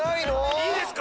いいですか？